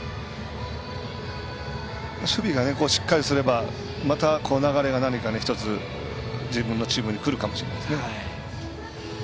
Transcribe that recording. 守備がしっかりすれば流れが何か１つ、自分のチームにくるかもしれないですね。